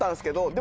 で